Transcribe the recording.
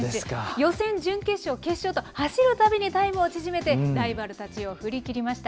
予選、準決勝、決勝と、走るたびにタイムを縮めて、ライバルたちを振り切りました。